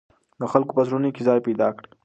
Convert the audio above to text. د خلکو په زړونو کې ځای پیدا کړئ.